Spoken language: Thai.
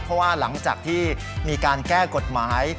เพราะว่าหลังจากที่มีการแก้กฎหมาย